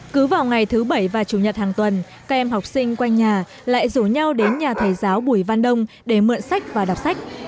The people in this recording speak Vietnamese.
cứ vào ngày thứ bảy và chủ nhật hàng tuần các em học sinh quanh nhà lại rủ nhau đến nhà thầy giáo bùi văn đông để mượn sách và đọc sách